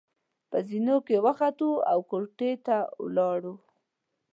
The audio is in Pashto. په زېنو کې وختو او زما کوټې ته ولاړو.